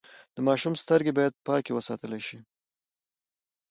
د ماشوم سترګې باید پاکې وساتل شي۔